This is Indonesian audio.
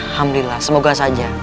alhamdulillah semoga saja